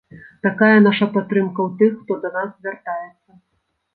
Такая наша падтрымка ў тых, хто да нас звяртаецца.